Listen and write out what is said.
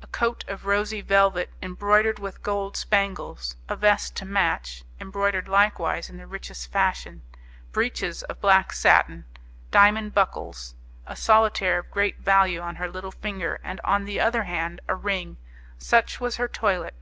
A coat of rosy velvet, embroidered with gold spangles, a vest to match, embroidered likewise in the richest fashion, breeches of black satin, diamond buckles, a solitaire of great value on her little finger, and on the other hand a ring: such was her toilet.